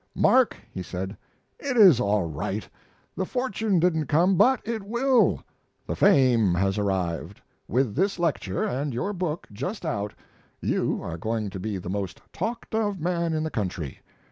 "Mark," he said, "it is all right. The fortune didn't come, but it will. The fame has arrived; with this lecture and your book just out you are going to be the most talked of man in the country.